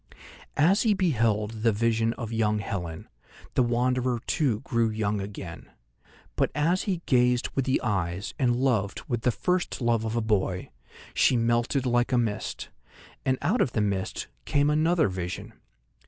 As he beheld the vision of young Helen, the Wanderer too grew young again. But as he gazed with the eyes and loved with the first love of a boy, she melted like a mist, and out of the mist came another vision.